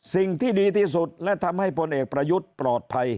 สิ่งที่ดีที่สุดและทำให้พลเอกประยุทธ์ปลอดภัย